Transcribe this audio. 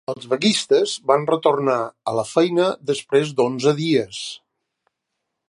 Els vaguistes van retornar a la feina després d'onze dies.